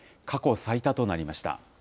過去最多となりました。